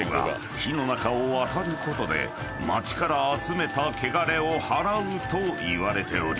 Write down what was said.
火の中を渡ることで町から集めたけがれをはらうといわれており］